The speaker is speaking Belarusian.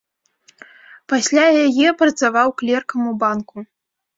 Пасля яе працаваў клеркам у банку.